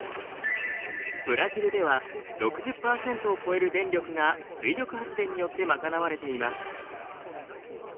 ブラジルでは６０％を超える電力が水力発電によって賄われています。